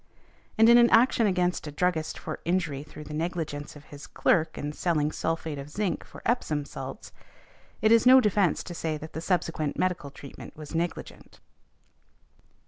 And in an action against a druggist for injury through the negligence of his clerk in selling sulphate of zinc for Epsom salts, it is no defence to say that the subsequent medical treatment was negligent .